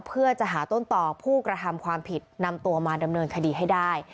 เพื่อจะหาต้นต่อผู้กระทำความผิดนำตัวมาดำเนินคดีให้ได้